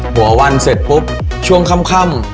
หัววันเสร็จปุ๊บช่วงค่ำ